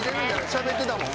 しゃべってたもん。